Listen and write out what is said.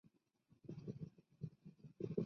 勐海隔距兰为兰科隔距兰属下的一个种。